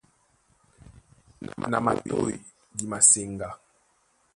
Na matôy di maseŋgá.